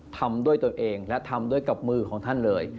ทำด้วยตัวเองและทำด้วยกับมือของท่านเลย